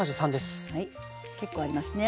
結構ありますね。